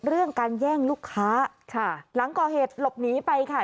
เรื่องการแย่งลูกค้าค่ะหลังก่อเหตุหลบหนีไปค่ะ